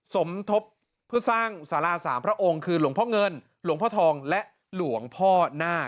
สมทบเพื่อสร้างสาราสามพระองค์คือหลวงพ่อเงินหลวงพ่อทองและหลวงพ่อนาค